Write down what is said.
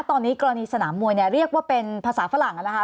ตอนนี้กรณีสนามมวยเนี่ยเรียกว่าเป็นภาษาฝรั่งนะคะ